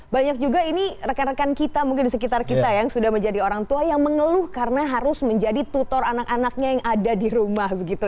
banyak juga ini rekan rekan kita mungkin di sekitar kita yang sudah menjadi orang tua yang mengeluh karena harus menjadi tutor anak anaknya yang ada di rumah begitu